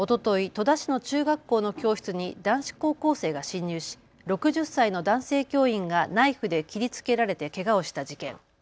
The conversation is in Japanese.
戸田市の中学校の教室に男子高校生が侵入し６０歳の男性教員がナイフで切りつけられてけがをした事件。